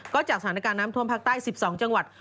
ก็จากสถานการณ์น้ำท่วมภาคใต้๑๒จังหวัด